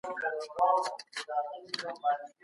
هیوادونه له نړیوالو بدلونونو بې خبره نه پاته کيږي.